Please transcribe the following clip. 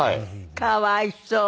かわいそう。